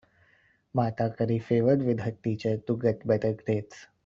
Marta curry favored with her teacher to get better grades.